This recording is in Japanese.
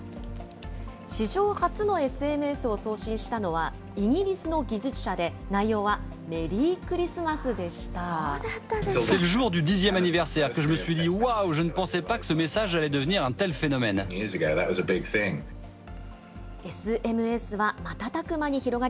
史上初のＳＭＳを送信したのは、イギリスの技術者で、内容はメリそうだったんですか。